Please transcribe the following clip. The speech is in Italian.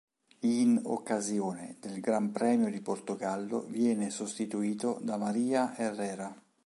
In occasione del Gran Premio di Portogallo viene sostituito da María Herrera.